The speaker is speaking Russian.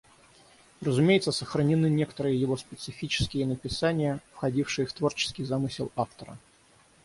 Разумеется, сохранены некоторые его специфические написания, входившие в творческий замысел автора.